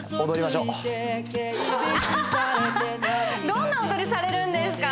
どんな踊りされるんですか？